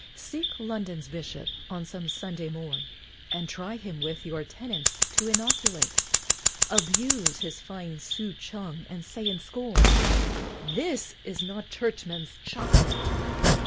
Seek London's Bishop, on some Sunday morn, And try him with your tenets to inoculate, Abuse his fine souchong, and say in scorn, "This is not Churchman's Chocolate!"